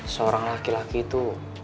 seorang laki laki itu